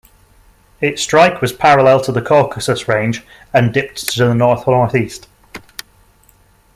Its strike was parallel to the Caucasus range and dipped to the north-northeast.